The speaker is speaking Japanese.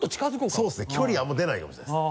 そうですね距離あんまりでないかもしれないです。